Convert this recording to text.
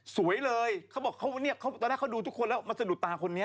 สวยเลยตอนแรกเขาดูทุกคนแล้วมาสะดุดตาคนนี้